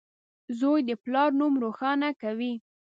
• زوی د پلار نوم روښانه کوي.